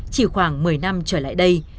chỉ khoảng một mươi năm trở lại đây